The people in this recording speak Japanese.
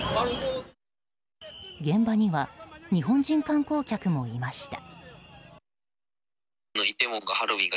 現場には日本人観光客もいました。